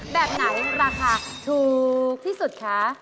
แบบไหนราคาถูกที่สุดคะ